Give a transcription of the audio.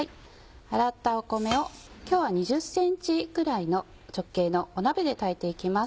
洗った米を今日は２０ｃｍぐらいの直径の鍋で炊いて行きます。